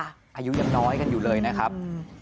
อายุยังน้อยกันอยู่เลยนะครับ